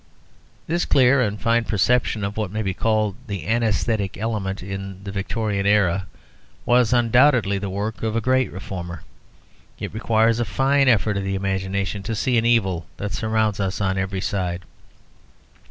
This clear and fine perception of what may be called the anæsthetic element in the Victorian era was, undoubtedly, the work of a great reformer: it requires a fine effort of the imagination to see an evil that surrounds us on every side.